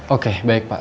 oke baik pak